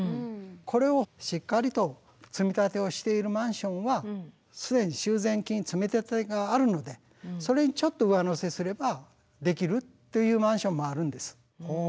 これをしっかりと積み立てをしているマンションは既に修繕金積み立てがあるのでそれにちょっと上乗せすればできるっていうマンションもあるんです。